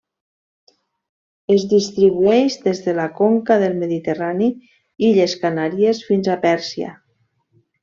Es distribueix des de la conca del Mediterrani, Illes Canàries fins a Pèrsia.